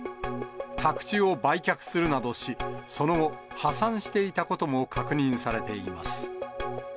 宅地を売却するなどし、その後、破産していたことも確認されています。